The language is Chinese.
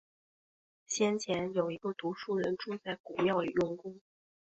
先前，有一个读书人住在古庙里用功